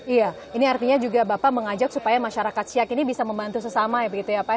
iya ini artinya juga bapak mengajak supaya masyarakat siak ini bisa membantu sesama ya begitu ya pak